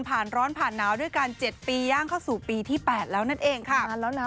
ผ่านร้อนผ่านหนาวด้วยกัน๗ปีย่างเข้าสู่ปีที่๘แล้วนั่นเองค่ะนานแล้วนะ